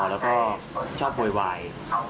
แล้วก็ชอบโวยวาย